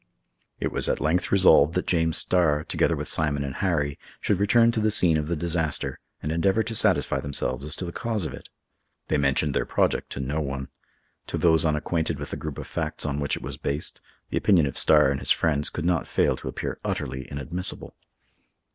It was at length resolved that James Starr, together with Simon and Harry, should return to the scene of the disaster, and endeavor to satisfy themselves as to the cause of it. They mentioned their project to no one. To those unacquainted with the group of facts on which it was based, the opinion of Starr and his friends could not fail to appear wholly inadmissible.